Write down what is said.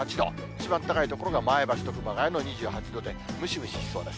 一番高い所が前橋と熊谷の２８度でムシムシしそうです。